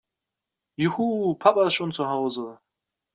Juhu, Papa ist schon zu Hause!